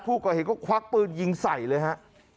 ผู้ก่อเหตุก็ควักปืนยิงใส่เลยฮะ